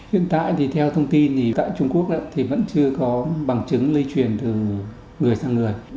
hiện tại thì theo thông tin thì tại trung quốc thì vẫn chưa có bằng chứng lây truyền từ người sang người